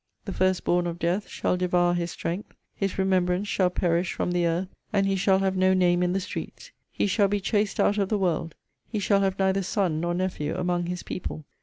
The first born of death shall devour his strength. His remembrance shall perish from the earth; and he shall have no name in the streets. He shall be chaced out of the world. He shall have neither son nor nephew among his people.